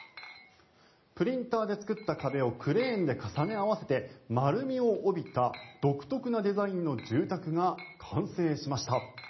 プリンターで作った壁をクレーンで重ね合わせて丸みを帯びた独特なデザインの住宅が完成しました。